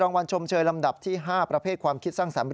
รางวัลชมเชยลำดับที่๕ประเภทความคิดสร้างสรรค์